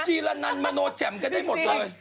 ีละนันมโนแจ่มกันได้หมดเลย